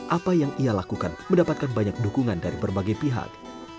apa yang ia lakukan mendapatkan banyak dukungan dari berbagai pihak